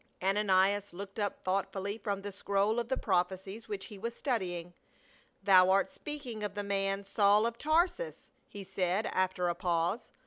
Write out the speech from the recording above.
Ananias looked up thoughtfully from the scroll of the prophecies which he was studying. " Thou art speaking of the man, Saul of Tarsus," he said, after a pause.